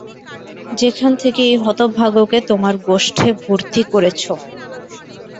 যেখান থেকে এই হতভাগ্যকে তোমার গোষ্ঠে ভরতি করেছ।